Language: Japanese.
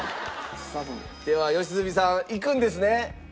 では良純さんいくんですね？